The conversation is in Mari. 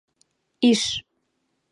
Иш...